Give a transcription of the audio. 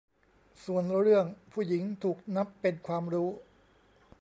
ส่วนเรื่อง 'ผู้หญิง' ถูกนับเป็นความรู้